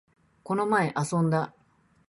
この前、遊んだ